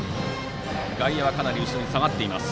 外野はかなり後ろに下がっています。